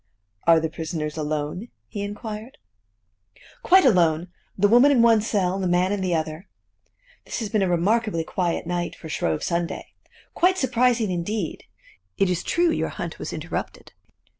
"Are the prisoners alone?" he inquired. "Quite alone: the woman in one cell, and the man in the other. This has been a remarkably quiet night, for Shrove Sunday! Quite surprising indeed! It is true your hunt was interrupted."